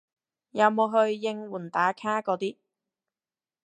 有冇去應援打卡嗰啲